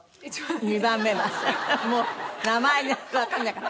もう名前がわからないから。